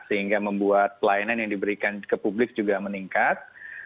sehingga membuat pelayanan yang diberikan ke publik juga meningkat